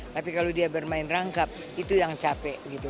tapi kalau dia bermain rangkap itu yang capek gitu